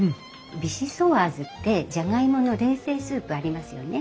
ビシソワーズってじゃがいもの冷製スープありますよね。